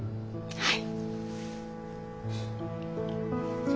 はい。